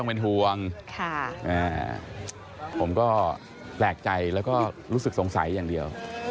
เป็นห่วงผมก็แปลกใจแล้วก็รู้สึกสงสัยอย่างเดียว